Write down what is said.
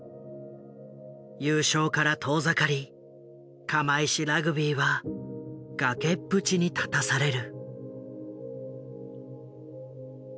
優勝から遠ざかり釜石ラグビーは崖っぷちに立たされる。